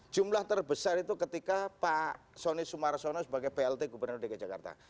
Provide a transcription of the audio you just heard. jumlah terbesar itu ketika pak soni sumarsono sebagai plt gubernur dki jakarta